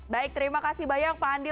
baik terima kasih banyak pak andi